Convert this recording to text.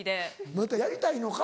またやりたいのか？